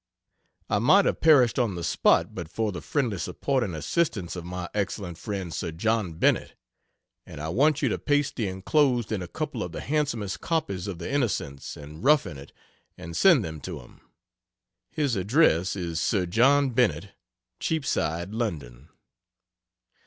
I might have perished on the spot but for the friendly support and assistance of my excellent friend Sir John Bennett and I want you to paste the enclosed in a couple of the handsomest copies of the "Innocents" and "Roughing It," and send them to him. His address is "Sir John Bennett, Cheapside, London."